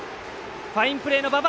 ファインプレーの馬場！